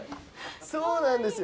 そうなんですよ